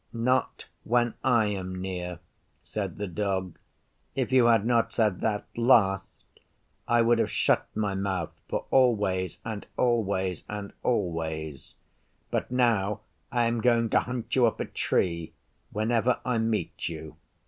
'Not when I am near,' said the Dog. 'If you had not said that last I would have shut my mouth for always and always and always; but now I am going to hunt you up a tree whenever I meet you.